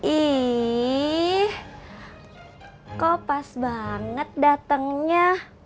ih kok pas banget datangnya